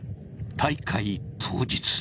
大会当日。